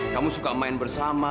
kamu suka main bersama